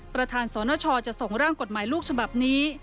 ประธานสนชจะส่งร่างกฎหมายลูกฉบับนี้